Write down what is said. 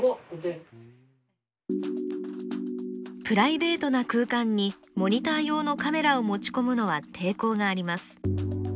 プライベートな空間にモニター用のカメラを持ち込むのは抵抗があります。